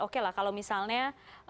oke lah kalau misalnya